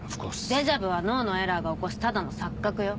デジャビュは脳のエラーが起こすただの錯覚よ。